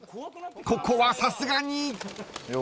ここはさすがに］